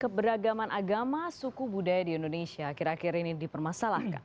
keberagaman agama suku budaya di indonesia akhir akhir ini dipermasalahkan